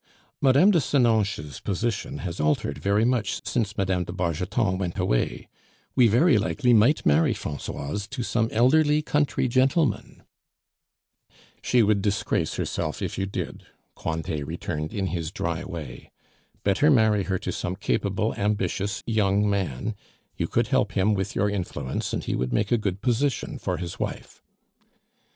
"Mme. de Senonches' positon has altered very much since Mme. de Bargeton went away; we very likely might marry Francoise to some elderly country gentleman." "She would disgrace herself if you did," Cointet returned in his dry way. "Better marry her to some capable, ambitious young man; you could help him with your influence, and he would make a good position for his wife."